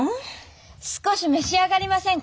少し召し上がりませんか？